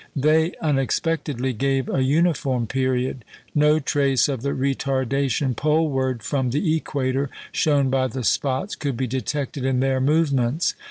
They unexpectedly gave a uniform period. No trace of the retardation poleward from the equator, shown by the spots, could be detected in their movements.